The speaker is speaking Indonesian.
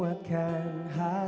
terima kasih pak